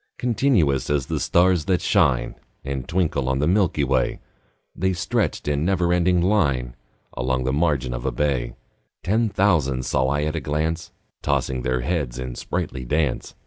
Continuous as the stars that shine And twinkle on the milky way, The stretched in never ending line Along the margin of a bay: Ten thousand saw I at a glance, Tossing their heads in sprightly dance.